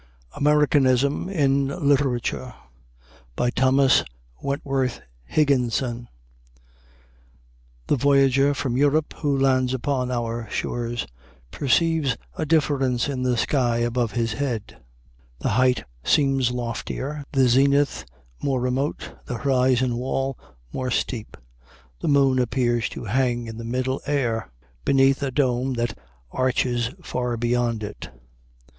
AMERICANISM IN LITERATURE THOMAS WENTWORTH HIGGINSON The voyager from Europe who lands upon our shores perceives a difference in the sky above his head; the height seems loftier, the zenith more remote, the horizon wall more steep; the moon appears to hang in the middle air, beneath a dome that arches far beyond it.